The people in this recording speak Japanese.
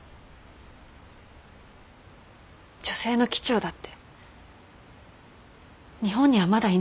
女性の機長だって日本にはまだいないじゃない。